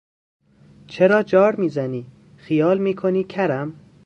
چرا جار میزنی، خیال میکنی کرم!